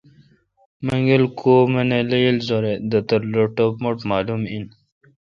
منگل کو مہ لییل زرہ۔ دھتر لو ٹپ مٹھ مالوم ان